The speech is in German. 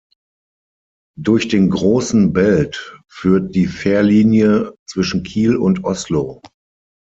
Durch den Großen Belt führt die Fährlinie zwischen Kiel und Oslo.